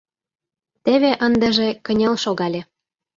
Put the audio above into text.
Теве ындыже кынел шогале.